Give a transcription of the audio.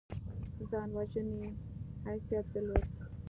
ځان وژنې حیثیت درلود.